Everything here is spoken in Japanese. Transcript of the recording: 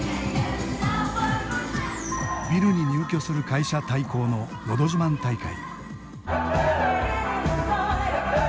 ビルに入居する会社対抗ののど自慢大会。